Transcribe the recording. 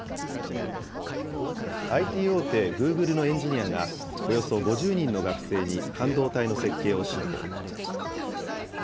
ＩＴ大手、グーグルのエンジニアが、およそ５０人の学生に半導体の設計を指導。